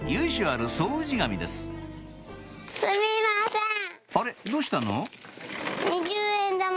あれっどうしたの？